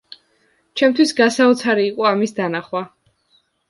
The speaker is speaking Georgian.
ჩემთვის გასაოცარი იყო ამის დანახვა.